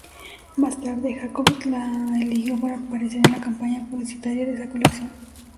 Más tarde, Jacobs la eligió para aparecer en la campaña publicitaria de esa colección.